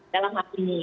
dalam hal ini